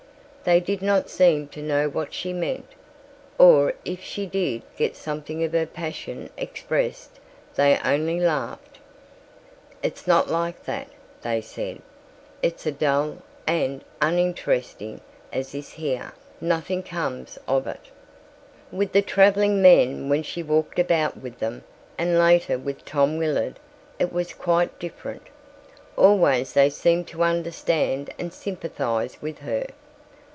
They did not seem to know what she meant, or if she did get something of her passion expressed, they only laughed. "It's not like that," they said. "It's as dull and uninteresting as this here. Nothing comes of it." With the traveling men when she walked about with them, and later with Tom Willard, it was quite different. Always they seemed to understand and sympathize with her.